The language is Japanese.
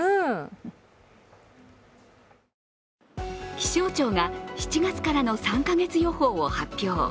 気象庁が７月からの３カ月予報を発表。